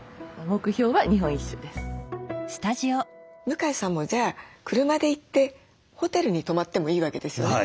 向江さんもじゃあ車で行ってホテルに泊まってもいいわけですよね。